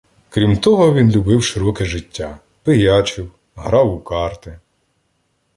Крім того, він любив широке життя, пиячив, грав у карти.